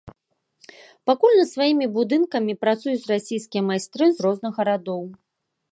Пакуль над сваімі будынкамі працуюць расійскія майстры з розных гарадоў.